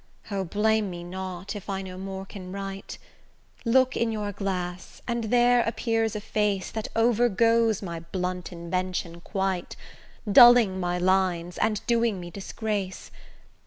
O! blame me not, if I no more can write! Look in your glass, and there appears a face That over goes my blunt invention quite, Dulling my lines, and doing me disgrace.